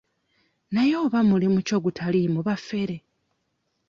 Naye oba mulimu ki ogutaliimu bafere?